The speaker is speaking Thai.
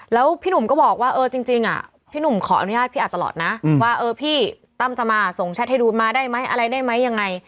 แล้วพี่หนุ่มก็บอกว่าเออจริงพี่หนุ่มขออนุญาตพี่อาจตลอดนะว่าเออพี่ตั้มจะมาส่งแชทให้ดูนมาได้ไหมอะไรได้ไหมยังไง